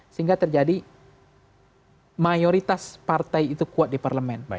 sehingga terjadi mayoritas partai itu kuat di parlemen